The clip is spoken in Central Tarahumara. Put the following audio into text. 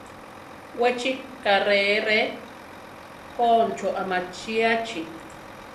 We chi karee re Koncho amachíachi.